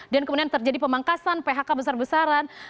dan kemudian terjadi pemangkasan phk besar besaran